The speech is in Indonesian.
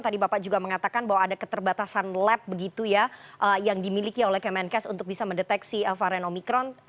tadi bapak juga mengatakan bahwa ada keterbatasan lab begitu ya yang dimiliki oleh kemenkes untuk bisa mendeteksi varian omikron